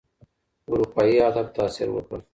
اروپايي ادب تاثير وکړ.